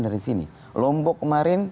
dari sini lombok kemarin